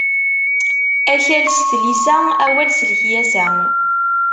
Akkal s tlisa, awal s lekyasa.